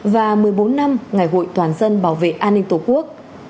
và một mươi bốn năm ngày hội toàn dân bảo vệ an ninh tổ quốc